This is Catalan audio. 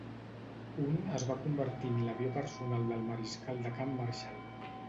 Un es va convertir en l'avió personal del mariscal de camp Marshall.